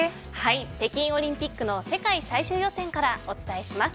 北京オリンピックの世界最終予選からお伝えします。